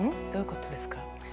どういうことですか？